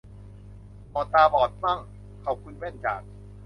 โหมดตาบอดมั่ง ขอบคุณแว่นจาก